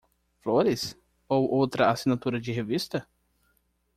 Flores? Ou outra assinatura de revista?